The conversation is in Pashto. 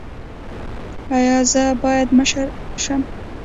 ایا زه باید مشر شم؟